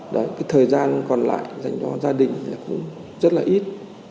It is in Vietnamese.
đấy cái thời gian còn lại dành cho gia đình thì cũng rất là ít